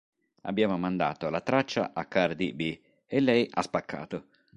Abbiamo mandato la traccia a Cardi B e lei ha spaccato.